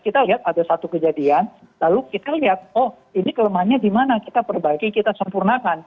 kita lihat ada satu kejadian lalu kita lihat oh ini kelemahannya di mana kita perbaiki kita sempurnakan